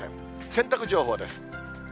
洗濯情報です。